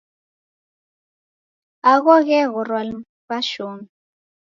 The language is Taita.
Agho gheghorwa ni w'ashomi.